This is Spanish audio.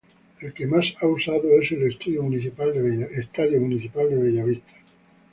El que más ha utilizado es el Estadio Municipal de Bellavista.